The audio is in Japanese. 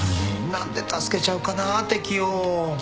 何で助けちゃうかな敵を。